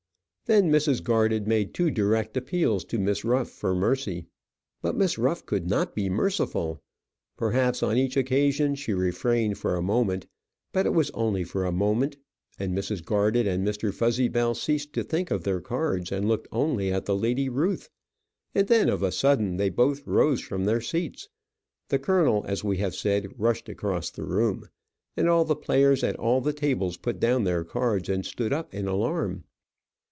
Then Mrs. Garded made two direct appeals to Miss Ruff for mercy. But Miss Ruff could not be merciful. Perhaps on each occasion she refrained for a moment, but it was only for a moment; and Mrs. Garded and Mr. Fuzzybell ceased to think of their cards, and looked only at the Lady Ruth; and then of a sudden they both rose from their seats, the colonel, as we have said, rushed across the room, and all the players at all the tables put down their cards and stood up in alarm.